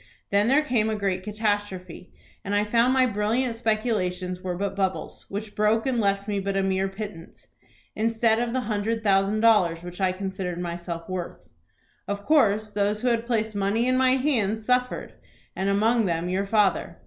Then there came a great catastrophe, and I found my brilliant speculations were but bubbles, which broke and left me but a mere pittance, instead of the hundred thousand dollars which I considered myself worth. Of course those who had placed money in my hands suffered, and among them your father.